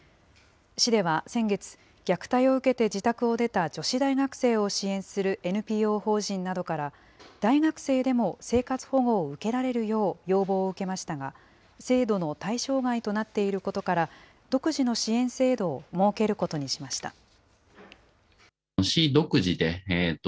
市では先月、虐待を受けて自宅を出た女子大学生を支援するＮＰＯ法人などから、大学生でも生活保護を受けられるよう要望を受けましたが、制度の対象外となっていることから、独自の支援制度を設けることにしました。